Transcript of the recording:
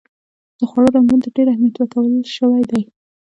د خوړو رنګونو ته ډېر اهمیت ورکول شوی و.